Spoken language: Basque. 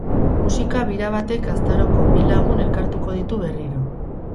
Musika bira batek gaztaroko bi lagun elkartuko ditu berriro.